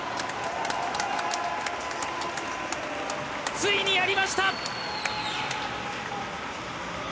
ついにやりました！